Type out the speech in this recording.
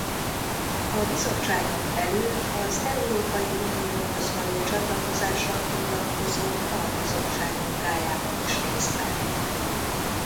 A bizottságon belül az Európai Unióhoz való csatlakozással foglalkozó albizottság munkájában is részt vett.